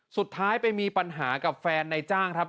สุดท้ายไปมีปัญหากับแฟนในจ้างครับ